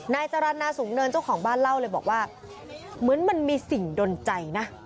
นายจรรย์นาสูงเนินเจ้าของบ้านเล่าเลยบอกว่าเหมือนมันมีสิ่งดนใจนะ